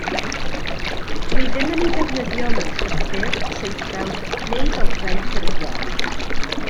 Dw i ddim yn ei ddefnyddio mewn llythyr, traethawd neu ddogfen ffurfiol.